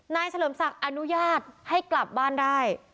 เฉลิมศักดิ์อนุญาตให้กลับบ้านได้